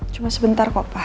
cuma sebentar kok pak